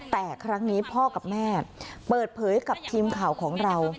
แต่ครั้งนี้พ่อกับแม่เปิดเผยกับทีมข่าวของเรา